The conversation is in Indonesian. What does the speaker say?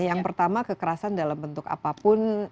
yang pertama kekerasan dalam bentuk apapun